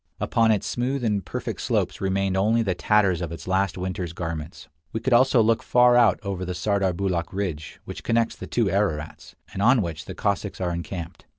Upon its smooth and perfect slopes remained only the tatters of its last winter's garments. We could also look far out over the Sardarbulakh ridge, which connects the two Ararats, and on which the Cossacks are encamped.